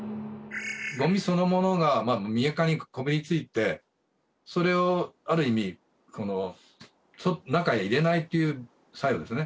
ゴミそのものが耳アカにこびりついてそれをある意味中へ入れないという作用ですね